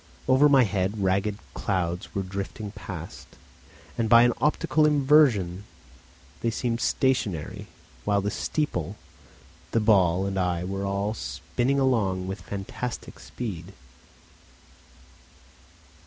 Over my head ragged clouds were drifting past, and by an optical inversion they seemed stationary, while the steeple, the ball and I were all spinning along with fantastic speed.